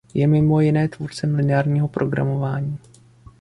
Je mimo jiné tvůrcem lineárního programování.